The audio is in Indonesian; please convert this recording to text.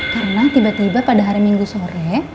karena tiba tiba pada hari minggu sore